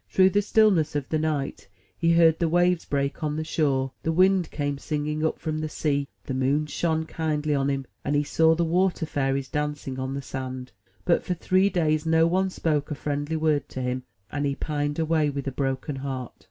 Through the stillness of the night, he heard the waves break on the shore; the wind came singing up from the sea; the moon shone kindly on him, and he saw the water fairies dancing on the sand. But for three days no one spoke a friendly word to him, and he pined away with a broken heart.